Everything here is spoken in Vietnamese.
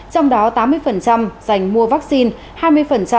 trong đó tám mươi dành mua vaccine